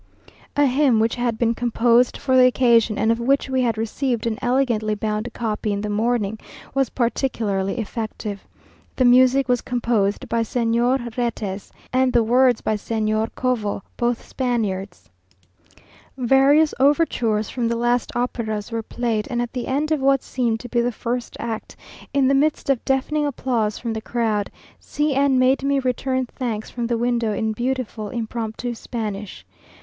A hymn, which had been composed for the occasion, and of which we had received an elegantly bound copy in the morning, was particularly effective. The music was composed by Señor Retes, and the words by Señor Covo, both Spaniards. Various overtures from the last operas were played, and at the end of what seemed to be the first act, in the midst of deafening applause from the crowd, C n made me return thanks from the window in beautiful impromptu Spanish!